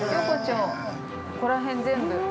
ここら辺全部。